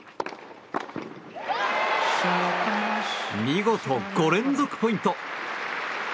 見事、５連続ポイント。